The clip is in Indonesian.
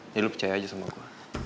jadi lo percaya aja sama gue